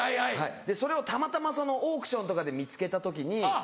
それをたまたまオークションとかで見つけた時に。